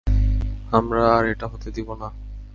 আমরা আর এটা হতে দিব না।